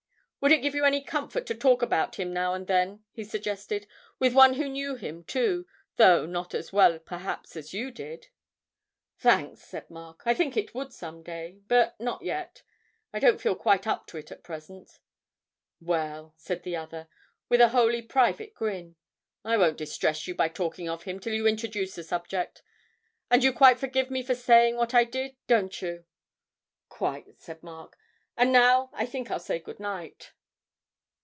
'Would it give you any comfort to talk about him now and then,' he suggested, 'with one who knew him, too, though not as well perhaps as you did?' 'Thanks!' said Mark, 'I think it would some day, but not yet. I don't feel quite up to it at present.' 'Well,' said the other, with a wholly private grin, 'I won't distress you by talking of him till you introduce the subject; and you quite forgive me for saying what I did, don't you?' 'Quite,' said Mark. 'And now I think I'll say good night!'